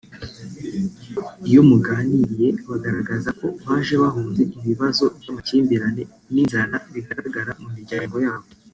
iyo muganiriye bagaragaza ko bahaje bahunze ibibazo by’amakimbirane n’inzara bigaragara mu miryango yabo